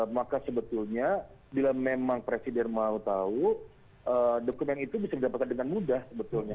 maka sebetulnya bila memang presiden mau tahu dokumen itu bisa didapatkan dengan mudah sebetulnya